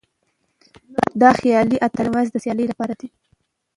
دا خيالي اتلان يوازې د سيالۍ لپاره دي.